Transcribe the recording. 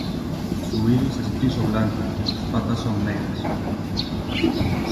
Su iris es gris o blanco y sus patas son negras.